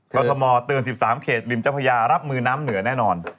กรทธามณ์ตืง๑๓เขตริมแม่น้ำจ้าพยารับมือน้ำเหนือนแน่นอน